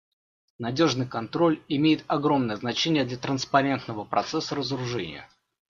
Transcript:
Надежный контроль имеет огромное значение для транспарентного процесса разоружения.